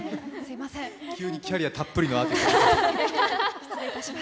急にキャリアたっぷりのアーティストに。